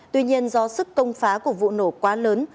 tuy nhiên do sức công phá của vụ nổ quá lớn